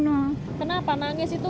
nia kenapa nangis itu